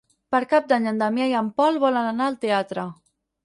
Per Cap d'Any en Damià i en Pol volen anar al teatre.